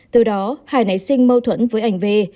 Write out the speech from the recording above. từ đó hải nảy sinh mâu thuẫn với anh v